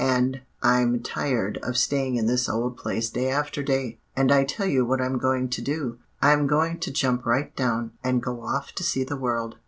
And I'm tired of staying in this old place day after day. And I tell you what I'm going to do. I'm going to jump right down, and go off to see the world.